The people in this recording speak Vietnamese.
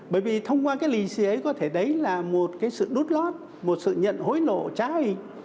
bởi vì thông qua cái lì xì ấy có thể đấy là một cái sự đút lót một sự nhận hối lộ trá hình